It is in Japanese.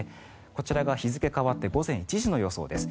こちらが日付変わって午前１時の予想です。